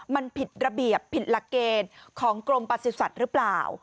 มันผิดระเบียบผิดหลักเกณฑ์ของกรมประสุทธิ์หรือเปล่า